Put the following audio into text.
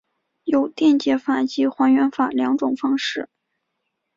有电解法及还原法两种方式。